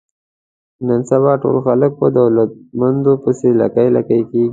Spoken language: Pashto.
نن سبا ټول خلک په دولتمندو پسې لکۍ لکۍ کېږي.